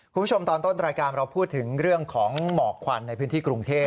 คุณผู้ชมตอนต้นรายการเราพูดถึงเรื่องของหมอกควันในพื้นที่กรุงเทพ